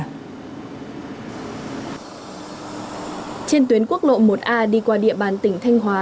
trên tuyến quốc lộ một a đi qua địa bàn tỉnh thanh hóa